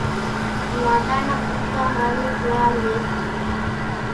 لاڏا نا پٽڪا ۿارُو ٽوئال ليئيَ سي۔